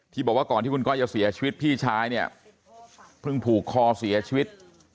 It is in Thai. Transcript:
บอกว่าก่อนที่คุณก้อยจะเสียชีวิตพี่ชายเนี่ยเพิ่งผูกคอเสียชีวิต